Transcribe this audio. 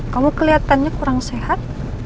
kamu kelihatannya kurang sehat